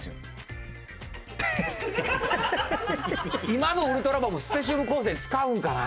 今のウルトラマンもスペシウム光線使うんかな？